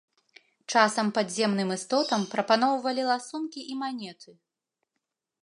Часам падземным істотам прапаноўвалі ласункі і манеты.